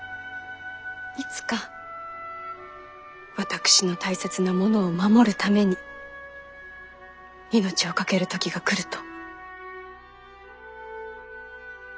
いつか私の大切なものを守るために命を懸ける時が来ると。